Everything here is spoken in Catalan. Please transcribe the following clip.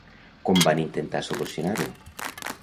Com van intentar solucionar-ho?